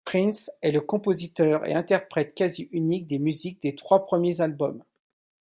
Prince est le compositeur et interprète quasi unique des musiques des trois premiers albums.